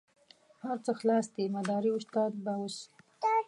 هر څه خلاص دي مداري استاد به اوس.